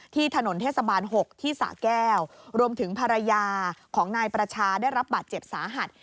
ถนนเทศบาล๖ที่สะแก้วรวมถึงภรรยาของนายประชาได้รับบาดเจ็บสาหัส